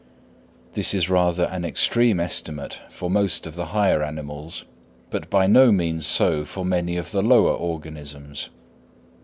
This is rather an extreme estimate for most of the higher animals, but by no means so for many of the lower organisms.